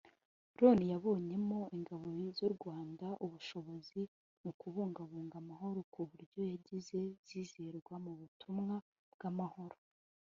Loni yabonyemo Ingabo z’u Rwanda ubushobozi mu kubungabunga amahoro ku buryo zagiye zizerwa mu butumwa bw’amahoro